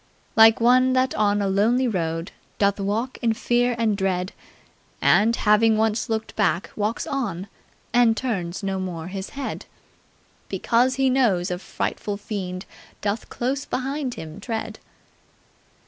"Like one that on a lonely road Doth walk in fear and dread; And, having once looked back, walks on And turns no more his head! Because he knows a frightful fiend Doth close behind him tread!"